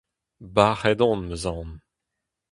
Bac'het on 'm eus aon !